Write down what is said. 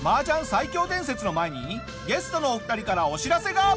最強伝説の前にゲストのお二人からお知らせが！